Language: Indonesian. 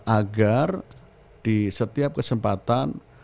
agar di setiap kesempatan